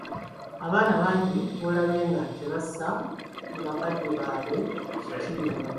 Abaana bangi bolabye nga tebassa mu bakadde baabwe kitiibwa.